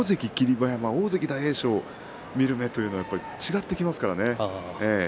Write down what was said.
馬山大関大栄翔を見る目は違ってきますからね。